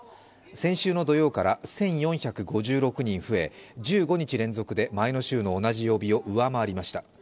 先週の土曜から１４５６人に増え、１５日連続で前の週の同じ曜日を上回りました。